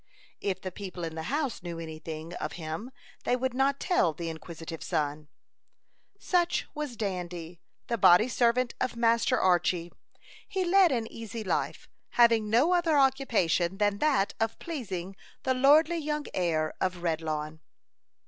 If the people in the house knew any thing of him, they would not tell the inquisitive son. Such was Dandy, the body servant of Master Archy. He led an easy life, having no other occupation than that of pleasing the lordly young heir of Redlawn.